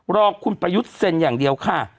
รอคุณประยุทธ์เซ็นอย่างเดียวค่ะ